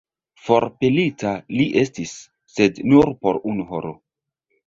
Forpelita li estis, sed nur por unu horo.